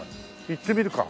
行ってみるか。